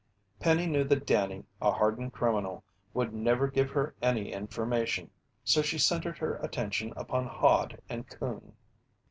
Penny knew that Danny, a hardened criminal, would never give her any information, so she centered her attention upon Hod and Coon.